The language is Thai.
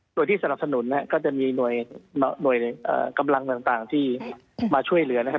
โดยที่สนับสนุนนะครับก็จะมีหน่วยกำลังต่างที่มาช่วยเหลือนะครับ